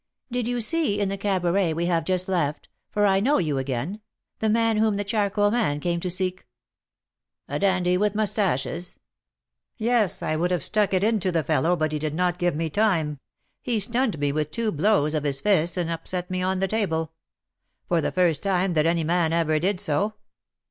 "Did you see, in the cabaret we have just left for I know you again the man whom the charcoal man came to seek?" "A dandy with moustaches? Yes, I would have stuck it into the fellow, but he did not give me time. He stunned me with two blows of his fists, and upset me on the table, for the first time that any man ever did so.